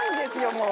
もう。